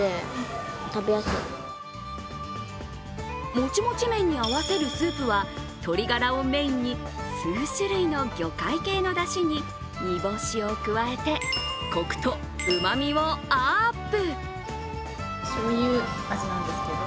もちもち麺に合わせるスープは鶏ガラをメインに数種類の魚介系のだしに煮干しを加えて、コクとうまみをアップ。